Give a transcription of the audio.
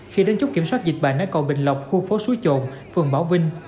kiểm soát dịch bệnh ở cầu bình lộc khu phố súi trồn phường bảo vinh